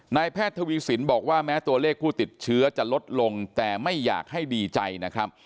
แพทย์ทวีสินบอกว่าแม้ตัวเลขผู้ติดเชื้อจะลดลงแต่ไม่อยากให้ดีใจนะครับ